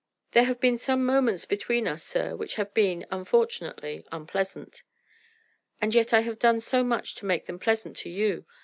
"There have been some moments between us, sir, which have been, unfortunately, unpleasant." "And yet I have done so much to make them pleasant to you!